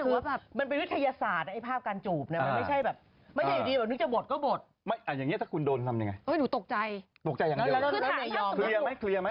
แล้วถ้าคือพี่เมียวันผู้กำกับอย่างนี้พี่จะทำยังไงไม่ได้ไม่ได้